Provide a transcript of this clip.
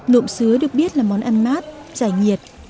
nộm sứa được biết là món ăn mát giải nhiệt